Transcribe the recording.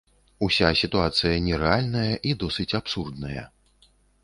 Уся сітуацыя нерэальная і досыць абсурдная.